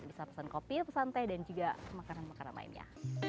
bisa pesan kopi pesan teh dan juga makanan makanan lainnya